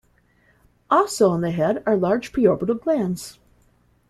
Also on the head are large preorbital glands.